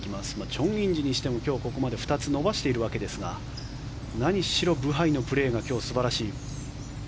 チョン・インジにしても今日ここまで２つ伸ばしているわけですが何しろブハイのプレーが今日、素晴らしい。